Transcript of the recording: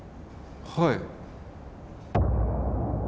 はい。